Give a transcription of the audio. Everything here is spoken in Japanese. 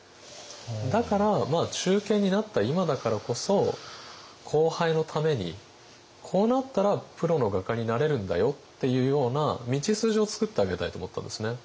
だから中堅になった今だからこそ後輩のためにこうなったらプロの画家になれるんだよっていうような道筋をつくってあげたいと思ったんですね。